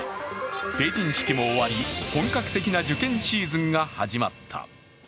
成人式も終わり、本格的な受験シーズンが始まった。